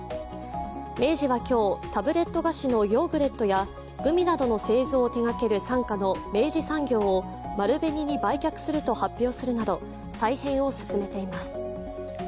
明治は今日、タブレット菓子のヨーグレットやグミなどの製造を手がける傘下の明治産業を丸紅に売却すると発表するなど再編を進めています。